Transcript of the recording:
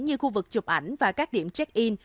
như khu vực chụp ảnh và các điểm check in